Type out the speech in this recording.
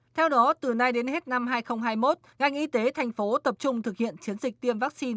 theo đó từ nay đến hết năm hai nghìn hai mươi một ngành y tế thành phố tập trung thực hiện chiến dịch tiêm vaccine